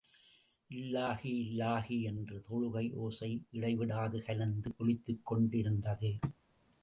இல்லாஹி இல்லாஹி என்ற தொழுகை ஓசை இடைவிடாது கலந்து ஒலித்துக் கொண்டிருந்தது.